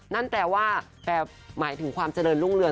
นั่นแปลว่าหมายถึงความเจริญรุ่งเรือง